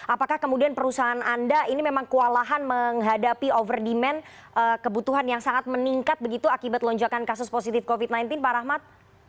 apakah kemudian perusahaan anda ini memang kewalahan menghadapi over demand kebutuhan yang sangat meningkat begitu akibat lonjakan kasus positif covid sembilan belas pak rahmat